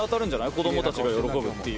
「子どもたちが喜ぶっていう」